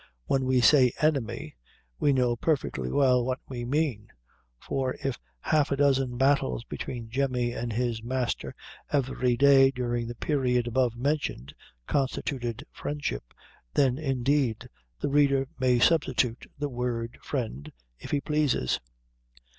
When we say "enemy," we know perfectly well what we mean; for if half a dozen battles between Jemmy and his master every day during the period above mentioned constituted friendship, then, indeed, the reader may substitute the word friend, if he pleases.